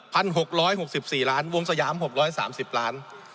หกร้อยหกสิบสี่ล้านวงสยามหกร้อยสามสิบล้าน